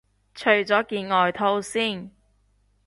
除咗件外套先